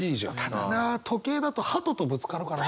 ただな時計だとはととぶつかるからな。